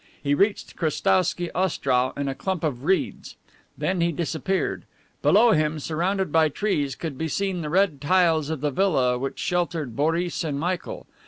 He reached Krestowsky Ostrow in a clump of reeds. Then he disappeared. Below him, surrounded by trees, could be seen the red tiles of the villa which sheltered Boris and Michael.